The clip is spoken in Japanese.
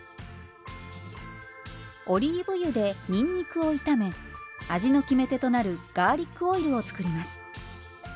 オリーブ油でにんにくを炒め味の決め手となるガーリックオイルを作ります。